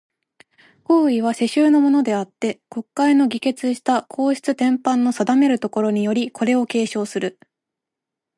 皇位は、世襲のものであつて、国会の議決した皇室典範の定めるところにより、これを継承する。